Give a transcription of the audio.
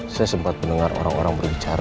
saya sempat mendengar orang orang berbicara